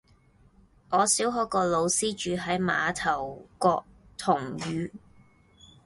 我小學個老師住喺馬頭角銅璵